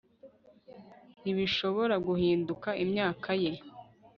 Ntibishobora guhinduka imyaka ye